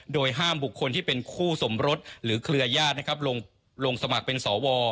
โดยห้ามบุคคลที่เป็นคู่สมรสหรือเครือญาตินะครับลงสมัครเป็นสว